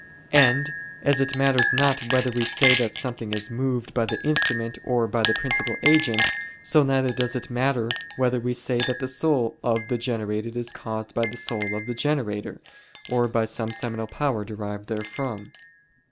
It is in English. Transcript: And as it matters not whether we say that something is moved by the instrument or by the principal agent, so neither does it matter whether we say that the soul of the generated is caused by the soul of the generator, or by some seminal power derived therefrom.